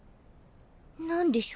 何でしょ？